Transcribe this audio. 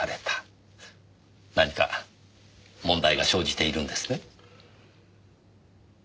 何か問題が生じているんですね？